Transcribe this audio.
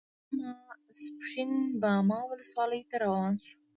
په سبا ماسپښین باما ولسوالۍ ته روان شوو.